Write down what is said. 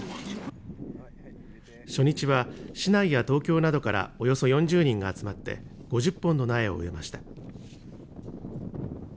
初日は市内や東京などからおよそ４０人が集まって５０本の苗を植えました。